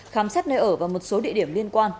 khám xét nơi ở và một số địa điểm liên quan